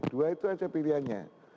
dua itu saja pilihannya